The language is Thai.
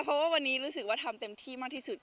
เพราะว่าวันนี้รู้สึกว่าทำเต็มที่มากที่สุด